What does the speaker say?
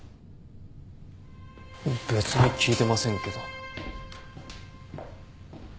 別に聞いてませんけど。